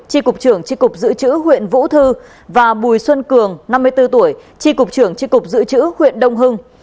tri cục trưởng tri cục dự trữ huyện vũ thư và bùi xuân cường năm mươi bốn tuổi tri cục trưởng tri cục dự trữ huyện đông hưng